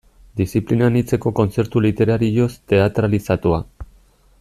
Diziplina anitzeko kontzertu literario teatralizatua.